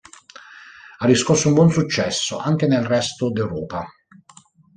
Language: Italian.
Ha riscosso un buon successo anche nel resto d'Europa.